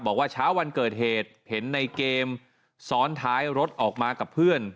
บอกว่าเช้าวันเกิดเหตุเห็นในเกมซ้อนท้ายรถออกมากับเพื่อน